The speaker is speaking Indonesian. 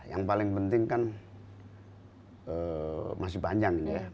yang paling penting kan masih panjang ini ya